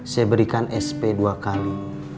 saya berikan sp dua kali